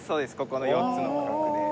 ここの４つの区画で。